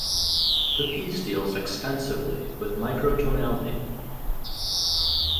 The piece deals extensively with microtonality.